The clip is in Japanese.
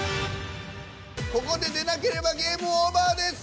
ここで出なければゲームオーバーです。